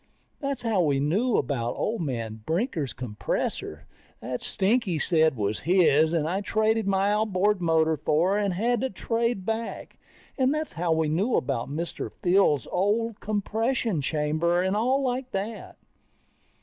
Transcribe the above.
That's how we knew about old man Brinker's compressor that Stinky said was his and I traded my outboard motor for and had to trade back. And that's how we knew about Mr. Fields' old compression chamber, and all like that.